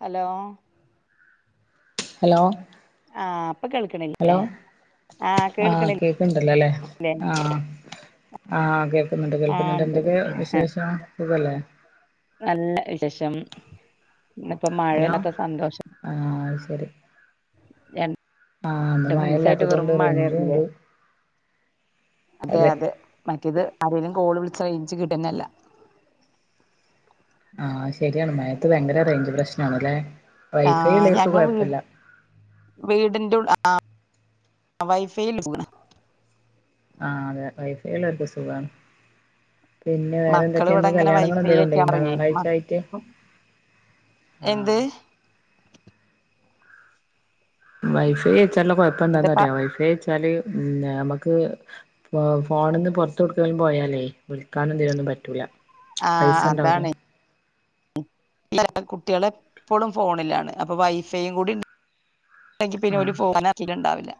Hello. Hello. ആ പ്പൊ കേൾക്കണില്ലേ? ആഹ് ആ കേൾക്കണില്ലേ കേക്കണ്ടല്ലോലേ ആഹ് ആ കേൾക്കുന്നുണ്ട് ആഹ് കേൾക്കുന്നുണ്ട് ഇണ്ട് എന്തൊക്കെ വിശേഷം സുകല്ലേ? നല്ല വിശേഷം ഇന്ന് ഇപ്പൊ മഴല്ലാത സന്തോഷം ആ അത് ശരി. ആഹ് ഇന്ന് ന്റെ മഴ മുൻസായിട്ട് ഇല്ലാത്തത് വെറും കൊണ്ട് റേഞ്ചും മഴായിരുന്നില്ലേ? ഉണ്ട് അതെ അതെ മറ്റേത് ആരെലും കോള് വിളിച്ച റേഞ്ച് കിട്ടന്നല്ല. ആ ശരിയാണ് മയത്ത് ഭയങ്കര റേഞ്ച് പ്രശ്ന ആണ്ല്ലേ വൈഫൈ ആഹ് ഉള്ളവർക്ക് ഞങ്ങള് വീട് കുഴപ്പല്ല. വീടിന്റെ ഉള്ളിൽ [unintelligible] ആ [unintelligible] വൈഫൈൽ പോണം. ആ അതെ വൈഫൈ ഉള്ളോർക്ക് സുഖാണ്. പിന്നെ വേറെ മക്കൾ ഇവിടെ എന്തൊക്കെന്ന് ഇങ്ങനെ കല്യാണങ്ങൾ വൈഫൈ എന്തെങ്കലും ഉണ്ടായിനോ ഒക്കെയാണെ ഞായറാഴ്ച ആയിട്ട്? ആ. എന്ത് വൈഫൈ വെച്ചാലുള്ള കൊഴപ്പം എന്താ എന്താന്നറിയോ വൈഫൈ വെച്ചാല് നമ്മക്ക് ഫോണ്ന്ന് പുറത്ത എവുടുക്കേലും പോയാലേ വിളിക്കാനും ഇതിനൊന്നും പറ്റൂല. ആ പൈസ ഉണ്ടാവൂല അതാണ്. കുട്ട്യാള് എപ്പളും ഫോണിലാണ് അപ്പോ വൈഫൈയും കൂ ണ്ടെങ്കി പിന്നെ ഒരു ആഹ് ഫോ [unintelligible] നക്കീട്ടുണ്ടാവില്ല.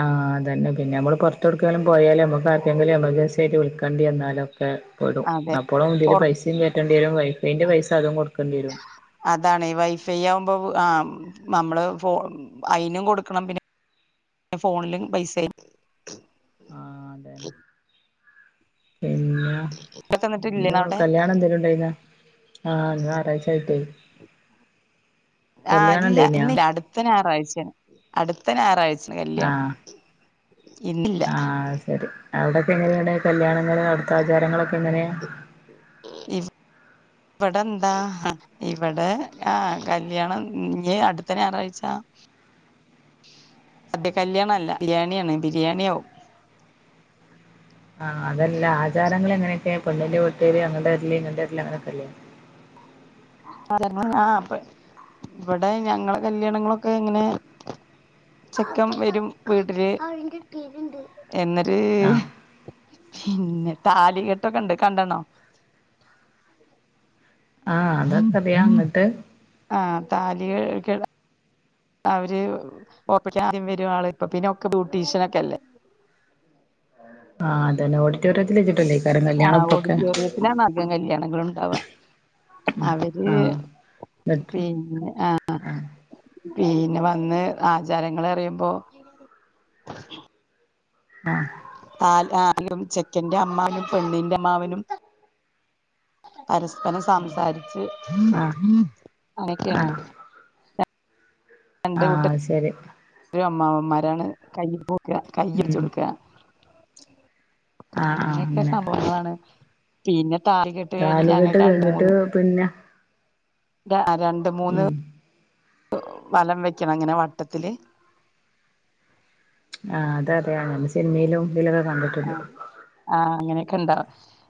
ആഹ് അതെന്നെ പിന്നെ നമ്മൾ പുറത്ത്ടുക്കേലും പോയാലും നമ്മക്ക് ആർക്കെങ്കിലും നമ്മക്ക് വിളക്കേണ്ടി വന്നാലൊക്കെ പെടും അതെ അപ്പോളും ഇതില് പൊറ പൈസേം കയറ്റേണ്ടി വരും വൈഫൈൻന്റെ പൈസ അതും കൊടുക്കേണ്ടി വരും. അതാണ് വൈഫൈ ആവുമ്പോ ആ നമ്മള് ഫോ അയിനും കൊടുക്കണം പിന്നെ ഫോണിലും പൈസ ആഹ് അതെന്നെ. പിന്നെ ഇതൊക്കെ എന്നിട്ട് എന്തോ ഇല്ലേന അവിടെ കല്യാണംന്തെലുംണ്ടായിന? ആഹ് ഇന്ന് ഞാറാഴ്ച്ചായിട്ടേ. ആഹ് ഇല്ല ഇന്നില്ല. അട്ത്ത ഞാറാഴ്ചെണ്‌ അട്ത്ത ഞാറാഴ്ച കല്യാണം. ആഹ് ഇന്നില്ല ആഹ് അത് ശരി. അവിടൊക്കെ ങ്ങനെണ് കല്യാണങ്ങള് അടുത്ത ആചാരങ്ങളൊക്കെ എങ്ങനെയാ? ഇ ഇവിടെന്താ ഇവിടെ ആ കല്യാണം ഇഞ്ഞി അട്ത്ത ഞാറാഴ്ച [inaudible] സദ്യ കല്യാണല്ല ബിരിയാണിയാണ്, ബിരിയാണിയാവും. ആഹ് അതല്ല ആചാരങ്ങളെങ്ങനെക്കെ, പെണ്ണിന്റെ വീട്ടേര് അങ്ങട്ട് വരല്, ഇങ്ങട്ട് വരല് അങ്ങനൊക്കെല്ലെ. ആ ഇവിടെ ഞങ്ങളെ കല്യാണങ്ങളൊക്കെങ്ങനെ ചെക്കൻ വരും വീട്ടില് എന്നൊരു ആഹ് പിന്നെ താലികെട്ടൊക്കെ ഇണ്ട് കണ്ട്ണോ? ആഹ് അതൊക്കെ അറിയാ എന്നിട്ട് ആ താലി കെ അവര് ഓപ്പക്ക് ആദ്യം വരും ആള് ഇപ്പ പിന്നെക്കെ ബ്യൂട്ടീഷ്യനോക്കെല്ലേ? ആഹ് അതെ നോടി ആഹ് ഓഡിറ്റോറിയത്തിലാണ് അധികം കല്യാണങ്ങള്ണ്ടാവാ. അവര് ആഹ് എന്നിട്ട് പിന്ന ആ ആഹ് പിന്നെ വന്ന് ആചാരങ്ങളറിയുമ്പോ ആ ആ ആ ദിം ചെക്കന്റെ അമ്മാവനും, പെണ്ണിന്റെ അമ്മാവനും. പരസ്പരം സംസാരിച്ച് ആഹ് ആഹ് അങ്ങനൊക്കെണ്. ആഹ് ശെരി. ആര അമ്മാവമ്മാരാണ് കൈ [unintelligible] ഉം കൈച്ചൊടുക്ക. ആഹ് ആഹ് അങ്ങനെയൊക്കെ അങ്ങനെ സംഭവങ്ങളാണ്. പിന്നെ താലി കെട്ട് കഴിഞ്ഞ് താലികെട്ട് ഞങ്ങക്ക് രണ്ട് കഴിഞ്ഞിട്ട് മൂന്ന്, പിന്നെ രണ്ട് മൂന്ന്. ഉം വലം വെക്കണം. ങ്ങനെ വട്ടത്തില് ആഹ് അതെ, അതെ നമ്മ സിനിമിലും ഇതിലൊകെ കണ്ടി ആ, ആ അങ്ങനെക്കെ ഇണ്ടാ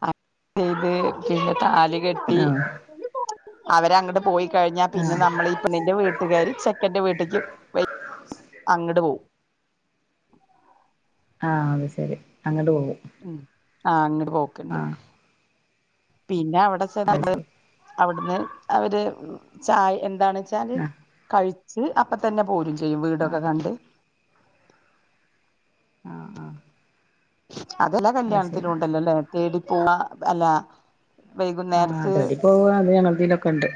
അങ്ങന ചെയത് പിന്നെ താലി കെട്ടി ആഹ് അവരങ്ങട് പോയി കഴിഞ്ഞ പിന്നെ ആഹ് നമ്മള് പെണ്ണിന്റെ വീട്ടുകാര് ചെക്കന്റെ വീട്ടിക്ക് വ അങ്ങട് പോവും. ആ അത് ശരി അങ്ങട് പോവും. ഉം ആഹ് അങ്ങട് പോക്ക്ണ്ട് പിന്ന അവിട അത് ചെന്നിട്ട് ശരി അവിടുന്ന് അവര് ചായ എന്താണെ ച്ചാല് ആഹ് കഴിച്ച് അപ്പ തന്നെ പോരും ചെയ്യും. വീടൊക്കെ ആഹ് കണ്ട്. ആഹ്, ആഹ് അതെല്ലാ അത് ശരി കല്യാണത്തിലും ഉണ്ടല്ലോല്ലേ തേടിപ്പോവാ അല്ല ആഹ് വൈകുന്നേരത്ത് തേടി പോക അത് ഞങ്ങളതിലൊക്കെണ്ട്.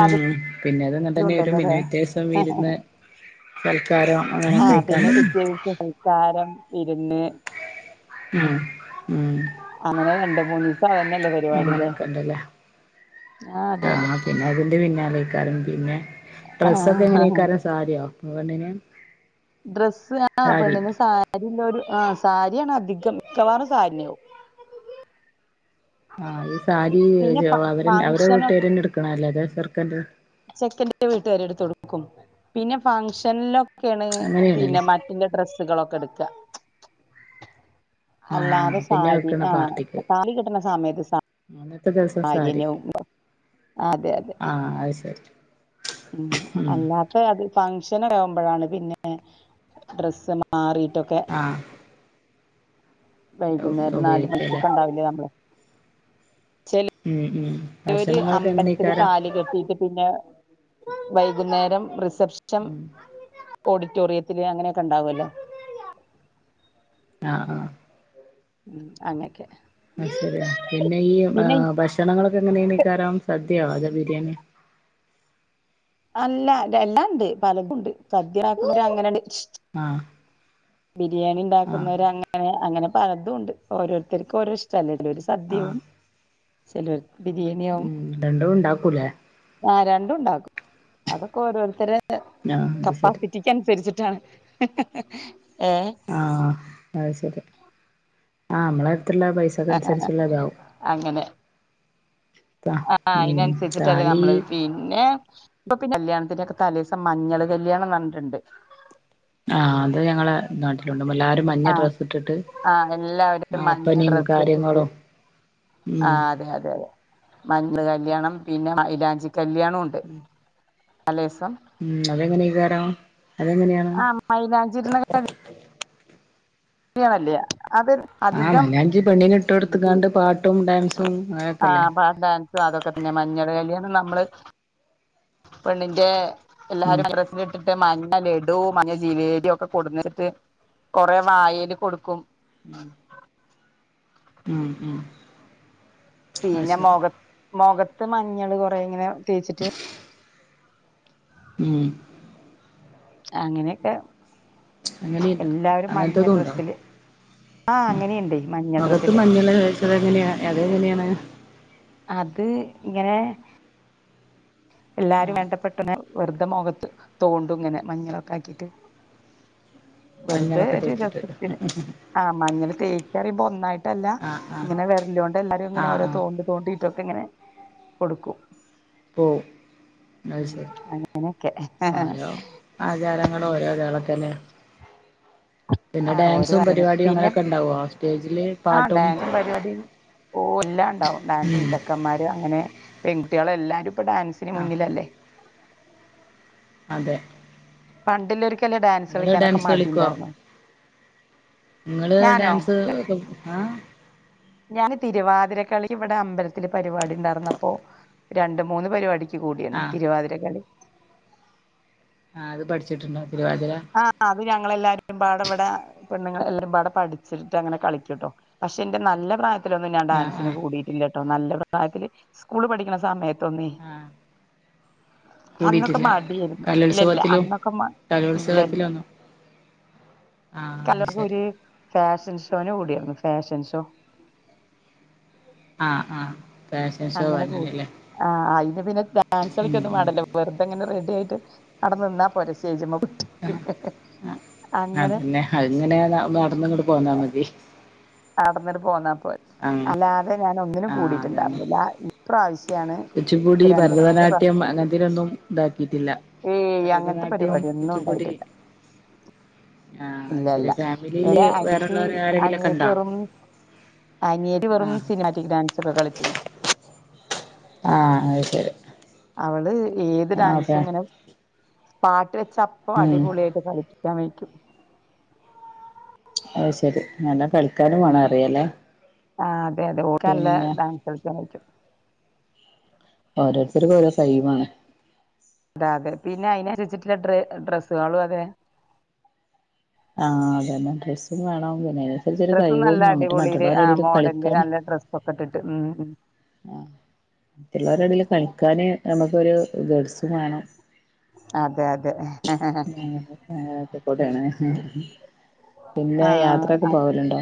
ഉം. പിന്നെ അതങ്ങന തന്നെ വരും ഉണ്ടല്ലോ പിന്നെ ല്ലേ പിറ്റേസം വിരുന്ന് സൽക്കാരം അങ്ങനെ കഴിക്കാണ്ട്. സൽകാരം, വിരുന്ന്. ഉം ഉം അങ്ങനെ രണ്ട് മൂന്നിസം അതന്നെല്ലേ പരിപാടികൾ? ആഹ പിന്നെ അതിന്റെ പിന്നാലെ എയ്ക്കാരും പിന്നെ ആ ഡ്രസ്സൊക്കെ എങ്ങനേക്കാരും സാരിയോ പെണ്ണിന് ഡ്രസ്സ് ആ സാരി പെണ്ണിന് സാരിലോല് ആ സാരിയാണ് അധികം മിക്കവാറും സാരിയാവും. ആഹ് ഈ പി- സാരി പിന്നെ ഫ അവ അവരുടെ ഫംഗ്ഷന് വീട്ടുകാരന്നെ എടുക്കണല്ലേ അതോ ചെർക്കന്റെ ചെക്കന്റെ വീട്ടുകാരെടുത്തൊടുക്കും. പിന്നെ ഫംഗഷനിലൊ ക്കെണ് പിന്നെ അങ്ങനെയാണല്ലേ മറ്റിന്റെ ഡ്രെസ്സുകളൊക്കെ എടുക്ക. ആഹ് അല്ലാതെ പിന്നെ സാരി വെക്കണ ആ പാർട്ടിക്ക് താലി കെട്ട്ണ സമയത്ത് സാ അന്നത്തെ ദിവസം സാരി അതെ അതെ ആയ് സെരി. ഉം അല്ലാ അത് ഫംഗഷന് ആവുമ്പോഴാണ് പിന്നെ ഡ്രസ്സ് മാറിട്ടൊക്കെ. ആ വൈകുന്നേരം നാല് ഉപയോഗിക്കല്ലേ മണിക്കൊക്കെ ഉണ്ടാവില്ലേ നമ്മള് ചേലു ഉം ഉം ഇവര് ഭക്ഷണങ്ങളൊക്കെ അമ്പലത്തില് എങ്ങനെക്കാരം താലി കെട്ടീട്ട് പിന്നെ വൈകുന്നേരം റിസെപ്ഷൻ ഉം ഓഡിറ്റോറിയത്തില് അങ്ങനെയൊക്കെ ഉണ്ടാവുല്ലോ ആഹ് ആഹ് മ് അങ്ങെയൊക്കെ ആഹ് ശരിയ പിന്നെ ഈ ഭക്ഷണങ്ങളൊക്കെ എങ്ങനെയാണീക്കാരാം സദ്യയാ അതോ ബിരിയാണിയ അല്ല എല്ലാണ്ട് പലതുണ്ട് സദ്യയാക്കുന്ന അങ്ങനെയുണ്ട് ആഹ് ബിരിയാണി ആഹ് ഉണ്ടാക്കുന്നവർ അങ്ങനെ അങ്ങനെ പലതും ഉണ്ട് ഓരോരുത്തർക്കും ഓരോ ഇഷ് ചിലരു ആഹ് സദ്യവും ചിലരു ബിരിയാണിയാവും ഉം രണ്ടും ഉണ്ടാക്കൂലേ ആഹ് രണ്ടും ഉണ്ടാക്കും അതൊക്കെ ഓരോരുത്തരെ ആഹ് അത് ശരി കപ്പാസിറ്റി ക്കനുസരിച്ചിട്ടാണ് ഏഹ് ആഹ് അത് ശരി ആഹ് നമ്മടെ അടുത്തുള്ള പൈസ ക്കനുസരിച്ചുള്ളതാവും അങ്ങനെ ബ ആ മ് അതിനനുസരിച്ചിട്ടല്ലേ താലി നമ്മള് പിന്നെ ഇപ്പൊ പിന്നെ കല്യാണത്തിന്റെയൊക്കെ തലേദിവസം മഞ്ഞള് കല്യാണം ന്നിട്ടുണ്ട് ആഹ് അത് ഞങ്ങടെ നാട്ടിലുണ്ട് എല്ലരും മഞ്ഞ ആ ഡ്രസ് ഇട്ടിട്ട് ആഹ് എല്ലാവരും ആഹ് മഞ്ഞ ഒപ്പനയും ഡ്രസ്സ് ഇട്ടിട്ട് കാര്യങ്ങളും ഉം ആഹ് അതെ അതെ അതെ മഞ്ഞള് കല്യാണം പിന്നെ മൈലാഞ്ചി കല്യാണുണ്ട് തലേസം മ് അതെങ്ങനെയെകാരം അതെങ്ങനെയാണ് ആഹ് മൈലാഞ്ചി ഇടുന്നെ ക ഇങ്ങനെ അല്ലിയ അത് ആഹ് അധികം മൈലാഞ്ചി പെണ്ണിനെ ഇട്ട കൊടുത്തക്കാണ്ട് പാട്ടും ഡാൻസും അങ്ങനൊക്കെല്ലേ ആഹ് പാട്ട് ഡാൻസും അതൊക്കെ തന്നെ മഞ്ഞള് കലിയാണം നമ്മള് പെണ്ണിന്റെ ഉം എല്ലാരും [unintelligible] ഇട്ടിട്ട് മഞ്ഞ ലഡു മഞ്ഞ ജിലേബി ഒക്കെ കൊടുന്ന്ട്ട് കൊറെ വായേല് കൊടുക്കും മ് മ് മ് പിന്നെ മൊഖ മൊഖത്ത് മഞ്ഞള് കൊറേ ഇങ്ങനെ തേച്ചിട്ട് മ് അങ്ങനെക്കെ അങ്ങനെയുണ്ടോ എല്ലാവരും മഞ്ഞ അങ്ങനത്തതും ഉണ്ടോ ഡ്രസ്സില് ആ അങ്ങനെയുണ്ട് മഞ്ഞ ഡ്രസ്സില് അത് എങ്ങനെയാ അത് എങ്ങനെയാണ് അത് ഇങ്ങനെ എല്ലാരും ആഹ് വേണ്ടപ്പെെട്ടവര് വെറുത മുഖത്ത് തോണ്ടും ഇങ്ങനെ മഞ്ഞളൊക്കെ ആക്കിട്ട് വെറുതെ മഞ്ഞളൊക്കെ ഒരു തേച്ചിട്ട് രസത്തിന് ആ മഞ്ഞള് തേക്കയറിയുമ്പോ ഒന്നായിട്ടല്ല ആഹ് ആഹ് ഇങ്ങനെ വെരല്ലോണ്ട് എല്ലാരും ഇങ്ങനെ ആഹ് ഓരോ ആഹ് തോണ്ട് തോണ്ടിയിട്ടൊക്കെ ഇങ്ങനെ കൊടുക്കും പോ അയ് ഉം ശെരി അങ്ങനെയൊക്കെ ഓരോ ആചാരങ്ങളും ഓരോ ഇതണക്കന്നെ ആഹ് ഓരോ ആചാരം പിന്നെ അങ്ങനെയൊക്കെ ഉണ്ടാവോ സ്റ്റേജില് ആ പാട്ടും ഡാൻസും പരിപാടിയും ഓ എല്ലാ ഇണ്ടാവും ഡാൻസും ഉം ചക്കന്മാര് അങ്ങനെ പെൺകുട്ടിയാള് എല്ലാരും ഇപ്പൊ ഡാൻസ് ന് ആഹ് മുന്നിലല്ലേ അതെ പണ്ടില്ലൊരിക്കല്ലെ നിങ്ങള് ഡാൻസളിക്കാനൊക്കെ ഡാൻസ് മടിഇണ്ടായിരുന്നെ ഇങ്ങള് ഡാൻസ് ഒക്കെ ഹാ ഞാന് തിരുവാതിരക്കളി ഇവടെ അമ്പൽത്തില് പരിവാടിണ്ടാർന്നപ്പോ രണ്ട് മൂന്ന് പരിവാടി ക്ക് കൂടീണ് ആഹ് തിരുവാതിരകളി ആഹ് അത് പഠിച്ചിട്ടുണ്ടോ തിരുവാതിര ആഹ് അ അത് ഞങ്ങളെല്ലാരുംപാടെ ഇവടെ പെണ്ണുങ്ങള് എല്ലരുംപാടെ പഠിച്ചിട്ട് അങ്ങനെ കളിക്കുട്ടോ പഷെ ഇന്റെ നല്ല പ്രായത്തിലൊന്നും ഞാൻ ആഹ് ഡാൻസിന് ആഹ് കൂടീട്ടില്ലട്ടോ നല്ല പ്രായത്തില് സ്കൂള് പഠിക്കണ സമയ തൊന്നെ ആഹ് അന്നൊക്കെ കൂടിയിട്ടില്ല മടിയേര്ന്നു ഇല്ല ഇല്ല കലോത്സവത്തിലും അന്നൊക്കെ മ ഇല്ല ഇല്ല കലോത്സവത്തിലൊന്നും ആഹ് അത് കല്ലർ ശരി [unintelligible] ഫാഷൻഷോന് കൂടിയായിരുന്നു ഫാഷൻഷോ ആഹ് ആഹ അങ്ങനെകൂടി ആഹ് അയിന് പിന്നെ ഉം ഡാൻസളിക്കൊന്നും ഉം വാണ്ടല്ലോ വെറുതെങ്ങന റെഡിയയിട്ട് അടെ നിന്നാപോരെ സ്റ്റേജിമ്മപൊയിട്ട് കണ അ അതന്നെ അഹ്ങ്ങനെ നടന്ന്ങ്ങട്ട് പോന്നാമതി അട്ന്നിണ്ട് പോന്നാ പോ ആഹ് അല്ലാതെ ഞാനൊന്നിനും കൂടിയിട്ടുണ്ടായിരുന്നില്ല ഇപ്രാവശ്യാണ് കുച്ച്പ്പുടി ഇപ്പൊ രണ്ട് മൂന്ന് ഭരതനാട്യം പ്രാവശ്യായിട്ട് അങ്ങൻത്തിനൊന്നും ഇതാക്കിയിട്ടില്ല. ഏയ് അങ്ങനത്തെ ഭരതനാട്യം പരിപാടി ഒന്നും കുച്ചിപ്പുടി ഉണ്ടായിട്ടില്ല ആഹ അഹ് ഇല്ല ശരി ഇല്ല ഫാമിലീല് എന്റെ വേറള്ളോരെ ആരെങ്കിലൊക്കെണ്ടോ അനിയേരി വെറും സിനിമാറ്റിക് ഡാൻസൊക്കെ കളിച്ചിണ് ആഹ അഹ് ശരി. അവള് ഏത് ആഹ് അതെ ഡാൻസുഇങ്ങനെ പാട്ട് വെച്ചപ്പ ഉം അടിപൊളിയായിട്ട് കളിക്കും. റ്റമയ്ക്കും അഹ് ശെരി നല്ല കളിക്കാനുംവാണം ഉം അറിയലെ ആ അതെ അതെ ഓക്കെഅല്ല ഡാൻസൾക്കവെയിക്കും ഓരോര്ത്തര്ക്ക് ഓരോ സൈമാ ദാതെ പിന്നെ അയിനര്ച്ചിട്ട്ള്ള ഡ്ര ഡ്രസ്സളും അതെ ആഹ് അതന്നെ ഡ്രസ്സുംവേണം പിന്നെ അയിനൻസരിച്ചൊരു ഡ്രസ്സും കഴിവും നല്ല ന്നട്ട് മറ്റുള്ളോരെടെല് കളിക്കാന് പൊക്കട്ടിട്ട് ഉം ഉം ആഹ് മറ്റുള്ളോരെടേല് കളിക്കാന് നമ്മക്കൊര് ഗഡ്സ് വേണം അതെ അതെ ആക്കെക്കൊടേണ് പിന്നെ ആഹ് യാത്രക്കെപോവല്ണ്ടോ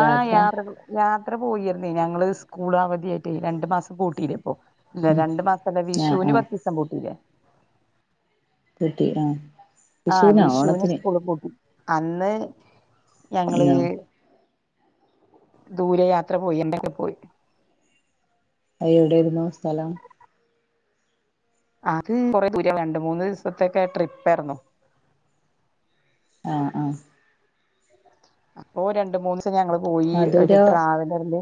ആഹ് യാത്ര യാത്രകൾ യാത്ര പോയിര്ന്നേ ഞങ്ങള് സ്കൂൾ അവധിയേയിറ്റ് രണ്ടുമാസം പൂട്ടിലെപ്പം ഇല്ല ഉം രണ്ട്മാസ്തല്ല ആഹ് വിഷുന് ആഹ് പത്തിസംപൂട്ടിലെ കിട്ടി ആഹ ആഹ വിഷുന് സ്കൂള്പൂട്ടി അന്ന് ഞങ്ങള് ആ ദൂരെയാത്ര പോയി എന്തക്കെപോയി അഹ് എവിടെര്ന്നു സ്ഥലം. അത് കൊറേദൂര രണ്ട്മൂന്ന്സത്തേക്കെ ട്രിപ്പായിരുന്നു ആഹ ആഹാ അപ്പോ രണ്ട്മൂന്ന്സം ഞങ്ങള്പോയി ഒര് മധുരോ ട്രാവലർല്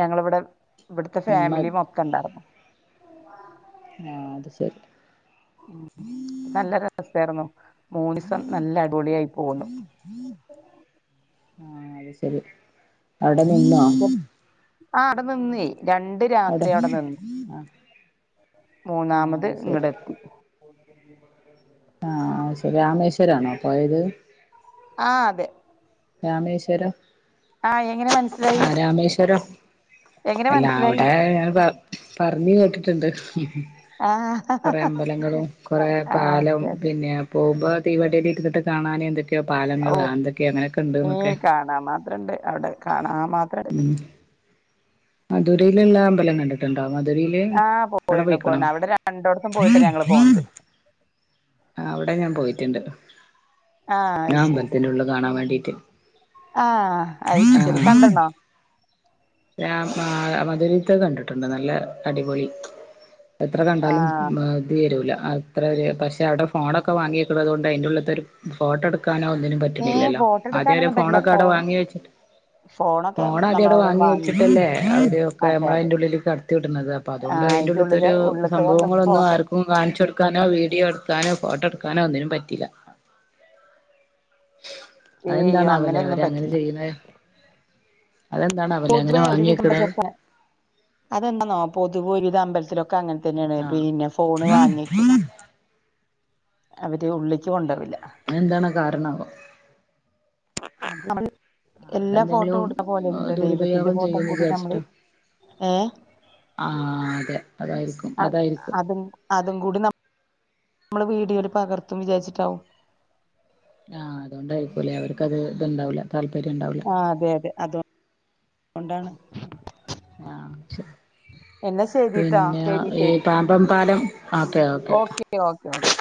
ഞങ്ങള്വ്ടെ ഇവട്ത്തെ ഉം ആഹ് ഫാമിലിമൊത്തണ്ടാരുന്നു ആഹ് അത് ശരി ഉ ട്ടല്ല രസായിരുന്നു മൂന്നിസം നല്ല അടിപൊളിയായി പോന്ന് ആഹ അത് ശരി. അവിടെ നിന്നോ എന്നിട്ട് ആഹ് അടെനിന്നേ രണ്ട് അവിടെ രാത്രി അടെനിന്ന് ആഹ് മൂന്നാമത് ആഹ് ശരി ഇങ്ങടെത്തി ആഹ ശരി രാമേശ്വരാണോ പോയത്. ആഹ് അതെ രാമേശ്വരം ആഹ് എങ്ങനെ മനസിലായി ആ രാമേശ്വരം അല്ല മനസ്സിലായി അവിടെ പറ പറഞ്ഞഞ് കേട്ടിട്ടുണ്ട് ആഹ കുറേ അമ്പലങ്ങളും കൊറേ പാലം അതെ പിന്നെ പോകുമ്പോ തീവണ്ടിയിലിരുന്നിട്ട് കാണാനെ എന്തൊക്കെയോ ഓ പാലങ്ങൾ ആ എന്തൊക്കെയ അങ്ങനെ ഏ കാണാൻ മാത്രുണ്ട് അവിടെ കാണാ മാത്ര മധുരയിലുള്ള അമ്പലങ്ങളണ്ട് ണ്ട മധുരയില് ആ പോയിണ് അടപയ്ക്കണം പോയിണ് [inaudible] അവിടെ രണ്ടോടത്തും പോയിട്ടാ ഞങ്ങള് പോന്നത് ആ അവിടെ ഞാൻ പോയിട്ടുണ്ട് ആ ഞാൻ അത് അമ്പലത്തിന്റെ ഉള്ള കാണാൻ വേണ്ടി ഓ [unintelligible] ആഹ ഐശ്ശരി കണ്ടണ്ണോ അ മധുരത്തെ കണ്ടിട്ടുണ്ട് നല്ല അടിപൊളി എത്ര ആ കണ്ടാലും ഇത് തീരൂല അത്ര വര് പക്ഷെ അവിടെ ഫോണൊക്കെ വാങ്ങിക്കതുക കൊണ്ട് അതിന്റെ ഉള്ളത്തെൊ ഒരു ഫോട്ടോ എടുക്കാനോ ഒന്നിനും ഏ പറ്റണില്ലല്ലോ ഫോട്ടോ അവര് എടുക്കാനൊന്നും പറ്റില്ല ഫോണൊക്കെ അടെ ഫോണ് വാങ്ങി വെച്ചട്ട് ഫോണൊക്കെ ഫോണ ആദ്യവിടെ നമ്മളവിടെ വാങ്ങി വെച്ചിട്ടല്ലേ അതൊക്കെ അതെ നമ്മള അതെ അതിന്റെറെ ഉള്ളിലേക്ക് [unintelligible] വിടുന്നത് അപ്പ ആ അതുകൊണ്ട് അതിന്റെ ഉള്ളില് അതിന്റെള്ളൊരു ഉള്ളിത്തതൊന്നും സംഭവങ്ങളൊന്ന ആരും ഫോട്ടോ ആർക്കും കാണിച്ചു കൊടുക്കാനോ വീഡിയോ എടുക്കാനോ ഫോട്ടോ എടുക്കാനോ ഒന്നിനും പറ്റില്ല ഏയ് അതെന്താണാവല്ലേ അവര് അങ്ങനെയൊന്നും പറ്റില്ല അങ്ങനെ ചെയ്യുന്ന പൊതുവേ ഒരു വാങ്ങി വിധം [unintelligible] വെക്കണ ച്ചൊക്ക അതെന്താെന്നോ പൊതുവെ ഒരു ഇത് അമ്പലത്തിലൊക്കെ അങ്ങനെ തന്നെയാണ് ആഹ് പിന്നെ ഫോണ് വാങ്ങിക്കും അവര് ഉള്ളിക്ക് കൊണ്ടുവരില്ല എന്താണ് കാരണവൊ അ നമ്മ അവിടെ എല്ലാ ഫോട്ടോ എന്തെങ്കിലും കൊടുക്ക പോലെയല്ലോ ദൈവത്തിന്റെ ദുരുപയോഗം ഫോട്ടോ ചെയ്യുന്ന് കൂടി നമ്മള് ഏ ആ അതെ അതായി അത് അതും അതും കൂടി നമ്മ നമ്മള് വീഡിയോയിൽ പകർത്തും വിചാരിച്ചിട്ടാവും ആഹ് അതുകൊണ്ടായിപ്പോലെ അവർക്കത് ഇതുണ്ടാവില്ല താല്പര്യംണ്ടവില്ല ആ അതെ അതെ അത ആഹ ശ എന്നാ [unintelligible] ശരിട്ടാ പിന്നെ ശരി ഈ ശരി പാമ്പം പാലം okay okay okay okay okay